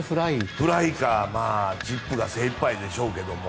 フライかチップが精いっぱいでしょうけども。